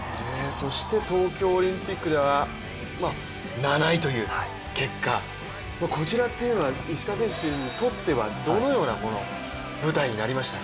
そして東京オリンピックでは７位という結果、こちらというのは石川選手にとってはどのような舞台になりましたか？